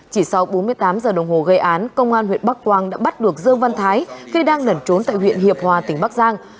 chỉ sau bốn mươi tám giờ đồng hồ gây án công an huyện bắc quang đã bắt được dương văn thái khi đang nẩn trốn tại huyện hiệp hòa tỉnh bắc giang